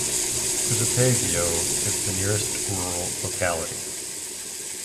Kusepeyevo is the nearest rural locality.